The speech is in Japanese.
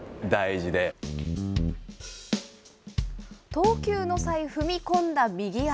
投球の際、踏み込んだ右足。